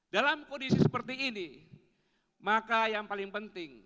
dalam kondisi seperti ini maka yang paling penting